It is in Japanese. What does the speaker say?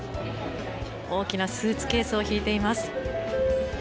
大きなスーツケースを引いています。